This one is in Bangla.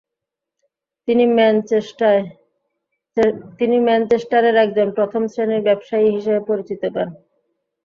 তিনি ম্যানচেস্টারের একজন প্রথম শ্রেণীর ব্যবসায়ী হিসেবে পরিচিতি পান।